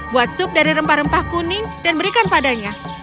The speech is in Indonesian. buat sup dari rempah rempah kuning dan berikan padanya